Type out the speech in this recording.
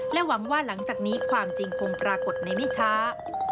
หวังว่าหลังจากนี้ความจริงคงปรากฏในไม่ช้า